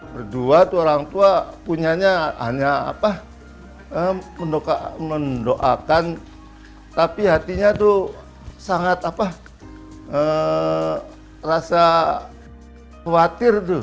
berdua tuh orang tua punyanya hanya mendoakan tapi hatinya tuh sangat rasa khawatir tuh